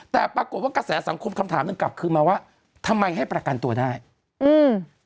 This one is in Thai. แต่ปรากฏว่ากระแสสังคมคำถามหนึ่งกลับขึ้นมาว่าทำไมให้ประกันตัวได้อืม